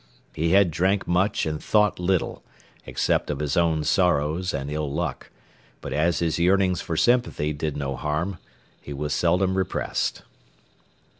He had drank much and thought little, except of his own sorrows and ill luck, but as his yearnings for sympathy did no harm, he was seldom repressed.